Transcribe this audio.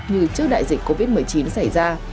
như trước đại dịch covid một mươi chín xảy ra